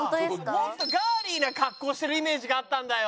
もっとガーリーな格好してるイメージがあったんだよ。